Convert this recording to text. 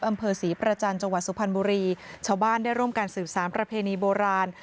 อำเภอศรีประจันทร์จังหวัดสุพรรณบุรีชาวบ้านได้ร่วมการสืบสารประเพณีโบราณ